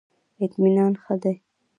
اطمینان ښه دی.